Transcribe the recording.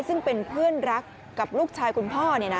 ซึ่งเป็นเพื่อนรักกับลูกชายคุณพ่อ